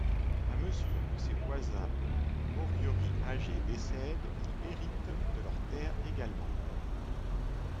À mesure que ses voisins moriori âgés décèdent, il hérite de leurs terres également.